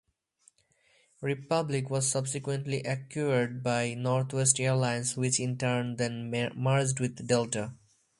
Republic was subsequently acquired by Northwest Airlines which in turn then merged with Delta.